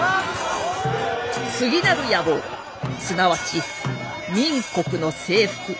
次なる野望すなわち明国の征服